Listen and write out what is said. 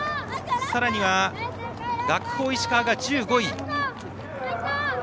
さらには、学法石川が１５位。